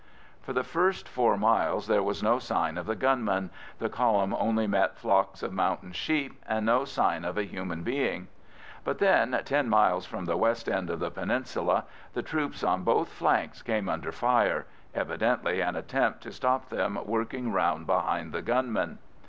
For the first four miles there was no sign of the gunmen—the column only met flocks of mountain sheep, and no sign of a human being; but, when ten miles from the west end of the peninsula, the troops on both flanks came under fire—evidently an attempt to stop them working round behind the gunmen.